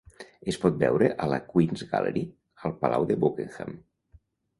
Es pot veure a la Queen's Gallery al Palau de Buckingham.